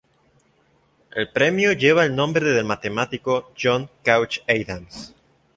El premio lleva el nombre del matemático John Couch Adams.